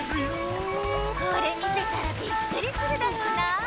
これみせたらビックリするだろうな。